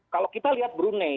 kalau kita lihat brunei